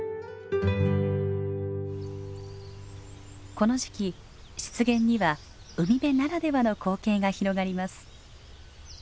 この時期湿原には海辺ならではの光景が広がります。